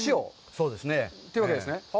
そうですね。というわけですね。